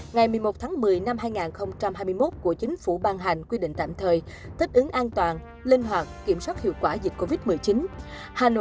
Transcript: ngày một mươi một tháng một mươi năm hai nghìn hai mươi một của chính phủ ban hành quy định tạm thời thích ứng an toàn linh hoạt kiểm soát hiệu quả dịch covid một mươi chín